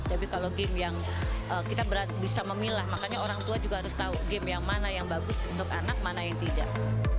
tapi kalau game yang kita bisa memilah makanya orang tua juga harus tahu game yang mana yang bagus untuk anak mana yang tidak